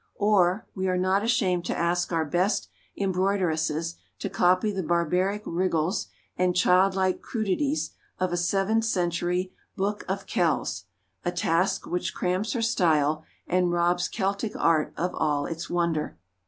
Or we are not ashamed to ask our best embroideresses to copy the barbaric wriggles and childlike crudities of a seventh century "Book of Kells," a task which cramps her style and robs Celtic art of all its wonder.